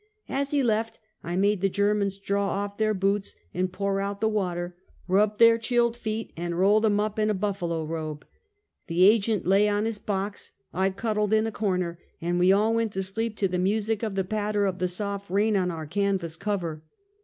As he left, I made the Germans draw off their boots and pour out the water, rub their chilled feet and roll them up in a buffalo robe. The agent lay on his box, I cuddled in a corner, and we all went to sleep to the music of the patter of the soft rain on our canvas cover.